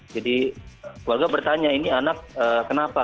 jadi keluarga bertanya ini anak kenapa